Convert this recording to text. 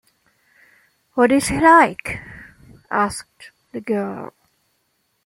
What is he like? asked the girl.